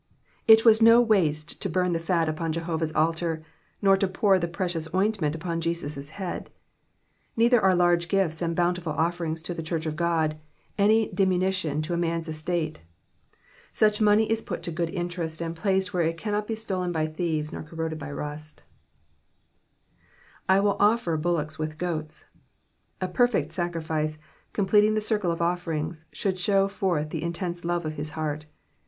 It was no waste to burn the fat upon Jehovah^s altar, nor to pour the precious ointment upon Jesus^ head ; neiilier are large gifts and bountiful offerings to the church of God any diminution to a man^s estate : such money is put to good interest and placed where it cannot be Digitized by VjOOQIC I3S Exposmoss of thb psalms. •tolen hj tbteres nor corroded hj raat, ^''I wUl ^ffer UdUch ititk goats.^^ A perfect sarrifioe, completing the circle of oSerings, sbooid show forth the in tense loTe of hi« heart.